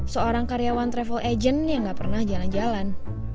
seorang karyawan travel agent yang gak pernah jalan jalan